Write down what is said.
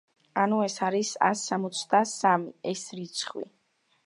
ანუ, ეს არის ას სამოცდასამი. ეს რიცხვი.